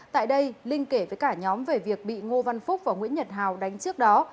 tại đây linh kể với cả nhóm về việc bị ngô văn phúc và nguyễn nhật hào đánh trước đó